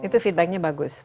itu feedbacknya bagus